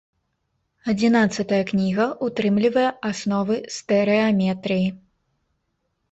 Адзінаццатая кніга ўтрымлівае асновы стэрэаметрыі.